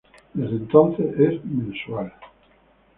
Desde entonces, es mensual.